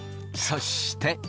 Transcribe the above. そして。